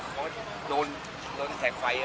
เขาโดนโดนแตกไฟ